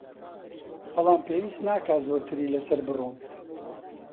بەڵام پێویست ناکا زۆرتری لەسەر بڕۆم